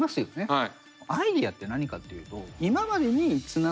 はい。